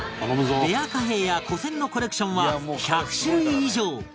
レア貨幣や古銭のコレクションは１００種類以上